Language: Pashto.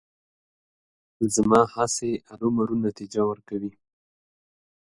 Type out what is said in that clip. زما هڅې ارومرو نتیجه ورکوي.